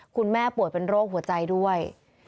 คุณแม่ปวดเป็นโรคหัวใจด้วย